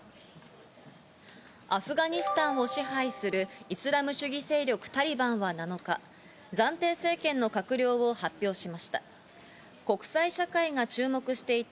アフガニスタンを支配するイスラム主義勢力・タリバンは７日、暫定政権の閣僚を発表しました。